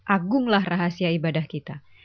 agunglah rahasia ibadah kita